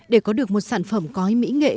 để có được một sản phẩm cói mỹ nghệ